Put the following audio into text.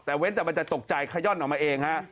แต่เว้นแต่มันจะตกใจขย่อนออกมาเองฮะ